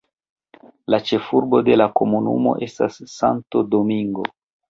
La ĉefurbo de la komunumo estas Santo Domingo.